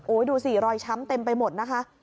ดูสิรอยช้ำเต็มไปหมดนะคะ